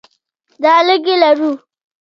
دا لږې لرو.